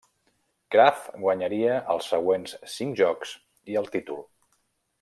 Graf guanyaria els següents cinc jocs i el títol.